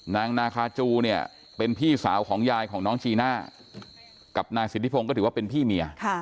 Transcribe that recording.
นางนาคาจูเนี่ยเป็นพี่สาวของยายของน้องจีน่ากับนายสิทธิพงศ์ก็ถือว่าเป็นพี่เมีย